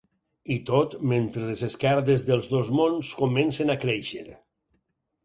I tot, mentre les esquerdes dels dos mons comencen a créixer.